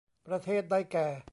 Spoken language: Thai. ประเทศได้แก่